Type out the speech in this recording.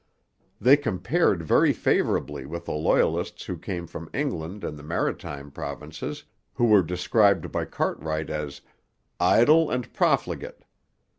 They compared very favourably with the Loyalists who came from England and the Maritime Provinces, who were described by Cartwright as 'idle and profligate.'